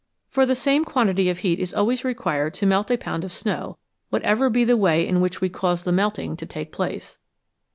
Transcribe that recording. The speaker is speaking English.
For the same quantity of heat is always required to melt a pound of snow, whatever be the way in which we cause the melting to take place.